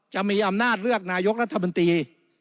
จะมีอำนาจเลือกนายกรัฐมนตรี